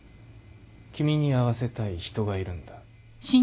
君に会わせたい人がいるんだ。